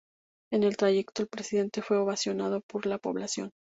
En el trayecto, el presidente fue ovacionado por la población.